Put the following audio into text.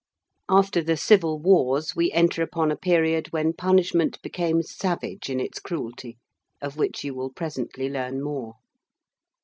After the civil wars we enter upon a period when punishment became savage in its cruelty, of which you will presently learn more.